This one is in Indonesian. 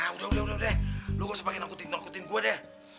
udah udah udah lo gak usah pake nangkutin nangkutin gue deh